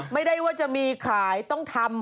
ไม่ได้จะมีหรือขายต้องทำ